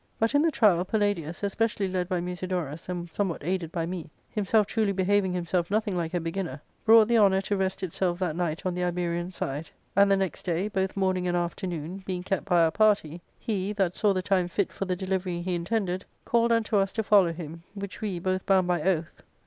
But in the trial Palladius, especially led by Musidorus, and somewhat aided by me, himself truly behav ing himself nothing like a beginner, brought the honour to rest itself that night on the Iberian side, and the next day, both morning and afternoon, being kept by our party, he, that saw the time fit for the delivery he intended, called unto us to follow him, which we, both bound by oath and 204 ARCADIA.